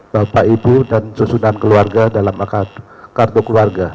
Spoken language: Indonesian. bapak ibu dan susunan keluarga dalam kartu keluarga